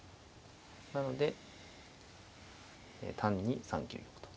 なので単に３九玉と。